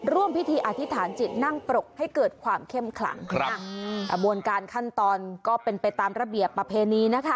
ร่วมพิธีอธิษฐานจิตนั่งปรกให้เกิดความเข้มขลังครับกระบวนการขั้นตอนก็เป็นไปตามระเบียบประเพณีนะคะ